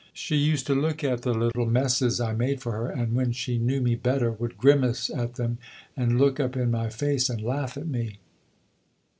She used to look at the little messes I made for her, and when she knew me better would grimace at them, and look up in my face and laugh at me.